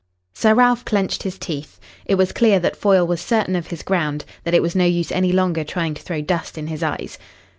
Sir Ralph clenched his teeth. It was clear that Foyle was certain of his ground; that it was no use any longer trying to throw dust in his eyes.